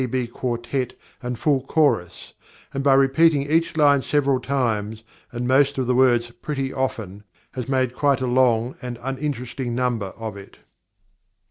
T.B. quartet and full chorus, and by repeating each line several times, and most of the words pretty often, has made quite a long and uninteresting number out of it.